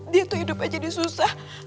dia tuh hidupnya jadi susah